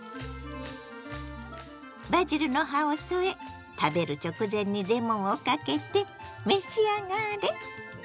バジルの葉を添え食べる直前にレモンをかけて召し上がれ！